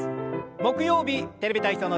木曜日「テレビ体操」の時間です。